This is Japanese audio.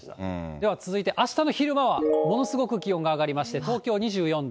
では続いて、あしたの昼間はものすごく気温が上がりまして、東京２４度。